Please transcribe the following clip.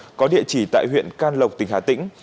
nguyễn thị hồng có địa chỉ tại huyện can lộc tỉnh hà tĩnh